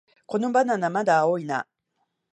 このバナナ、まだ青いな